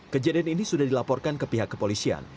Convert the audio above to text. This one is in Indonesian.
kejadian ini sudah dilaporkan ke pihak kepolisian